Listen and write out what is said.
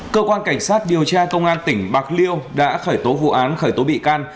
cơ quan cảnh sát điều tra công an tỉnh bạc liêu đã khởi tố vụ án khởi tố bị can